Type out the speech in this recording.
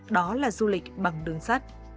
đó là du lịch bằng đường sắt